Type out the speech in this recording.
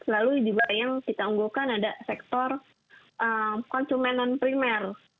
lalu juga yang kita unggulkan ada sektor konsumenan primer